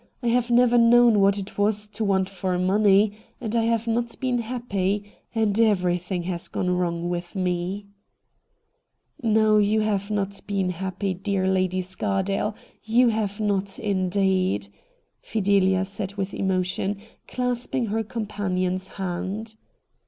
I have never known what it was to want for money — and I have not been happy, and everything has gone wrong with me '' No, you have not been happy, dear Lady Scardale — you have not indeed !' Fidelia said with emotion, clasping her companion's hand.